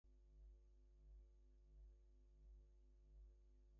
Rinuccini and Peri next collaborated on "Euridice".